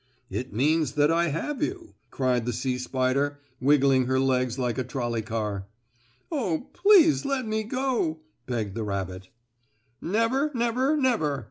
"It means that I have you!" cried the sea spider, wiggling her legs like a trolley car. "Oh, please let me go," begged the rabbit. "Never! Never! Never!"